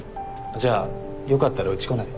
じゃあよかったらうち来ない？